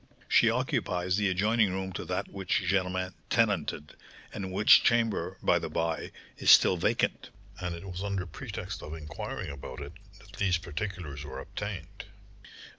She occupies the adjoining room to that which Germain tenanted, and which chamber, by the by, is still vacant; and it was under pretext of inquiring about it that these particulars were obtained."